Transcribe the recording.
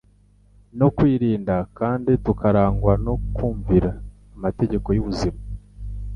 no kwirinda, kandi tukarangwa no kumvira amategeko y’ubuzima.